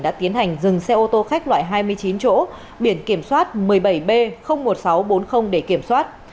đã tiến hành dừng xe ô tô khách loại hai mươi chín chỗ biển kiểm soát một mươi bảy b một nghìn sáu trăm bốn mươi để kiểm soát